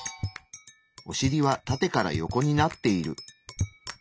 おしりはタテからヨコになっている。